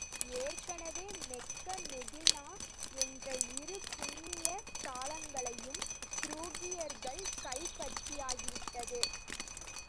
ஏற்கெனவே Mecca Medina என்ற இரு புண்ணிய ஸ்தலங்களையும் துருக்கியர்கள் கைப் பற்றியாகி விட்டது.